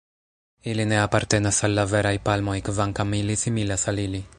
Ili ne apartenas al la veraj palmoj, kvankam ili similas al ili.